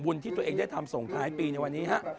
ที่ตัวเองได้ทำส่งท้ายปีในวันนี้ฮะ